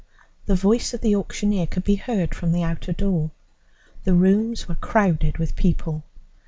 The voice of the auctioneer could be heard from the outer door. The rooms were crowded with people.